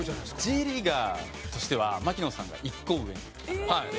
Ｊリーガーとしては槙野さんが１個上になるので。